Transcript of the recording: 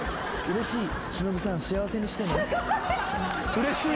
「うれしい。